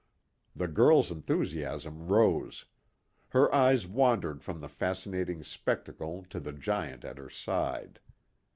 The girl's enthusiasm rose. Her eyes wandered from the fascinating spectacle to the giant at her side.